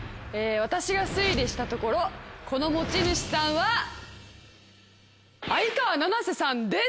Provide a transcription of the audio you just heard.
私が推理したところこの持ち主さんは相川七瀬さんです。